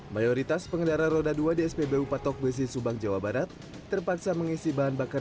mayoritas pengendara roda dua di spbu patok besi subang jawa barat terpaksa mengisi bahan bakar